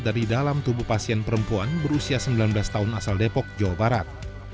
dari dalam tubuh pasien perempuan berusia sembilan belas tahun asal depok jawa barat